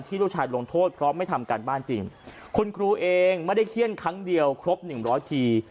ลูกชายลงโทษเพราะไม่ทำการบ้านจริงคุณครูเองไม่ได้เขี้ยนครั้งเดียวครบหนึ่งร้อยที